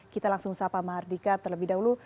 kita langsung sapa mahardika terlebih dahulu